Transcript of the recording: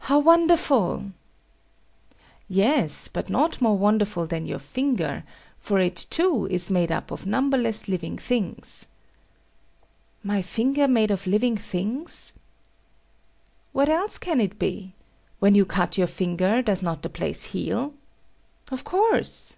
How wonderful! Yes; but not more wonderful than your finger, for it, too, is made up of numberless living things. My finger made of living things? What else can it be? When you cut your finger, does not the place heal? Of course.